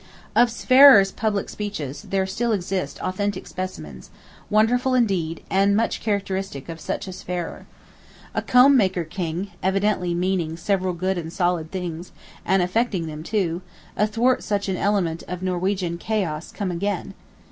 Of Sverrir's public speeches there still exist authentic specimens; wonderful indeed, and much characteristic of such a Sverrir. A comb maker King, evidently meaning several good and solid things; and effecting them too, athwart such an element of Norwegian chaos come again.